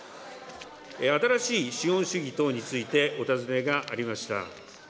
新しい資本主義等についてお尋ねがありました。